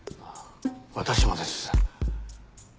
私もです。